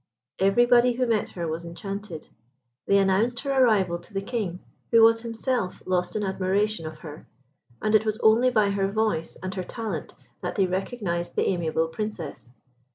Everybody who met her was enchanted. They announced her arrival to the King, who was himself lost in admiration of her, and it was only by her voice and her talent that they recognised the amiable Princess.